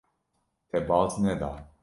Te baz neda.